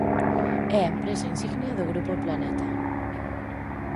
É a empresa insignia do Grupo Planeta.